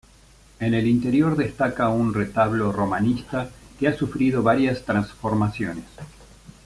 En el interior destaca un retablo romanista que ha sufrido varias transformaciones.